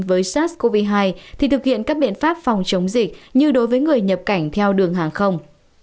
với sars cov hai thì thực hiện các biện pháp phòng chống dịch như đối với người nhập cảnh theo đường hàng không